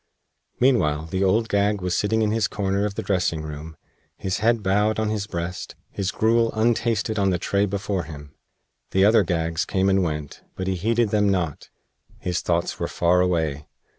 Meanwhile the Old Gag was sitting in his corner of the dressing room, his head bowed on his breast, his gruel untasted on the tray before him. The other Gags came and went, but he heeded them not. His thoughts were far away.